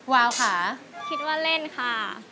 วาวค่ะคิดว่าเล่นค่ะ